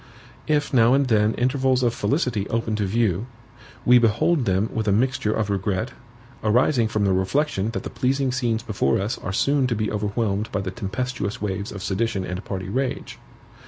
If now and then intervals of felicity open to view, we behold them with a mixture of regret, arising from the reflection that the pleasing scenes before us are soon to be overwhelmed by the tempestuous waves of sedition and party rage.